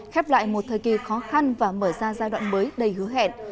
khép lại một thời kỳ khó khăn và mở ra giai đoạn mới đầy hứa hẹn